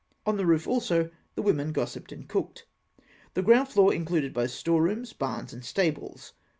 On the roof also the women gossiped and cooked. The ground floor included both store rooms, barns, and stables.